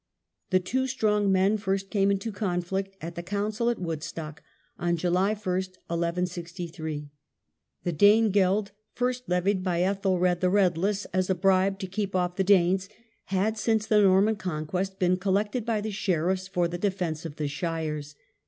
The two strong men first came into conflict at a council at Woodstock, on July i, 1163. The Danegeld, first levied by Ethelred the Redeless, as a bribe to keep off the Danes, had since the Norman conquest been col lected by the sheriffs for the defence of the shires.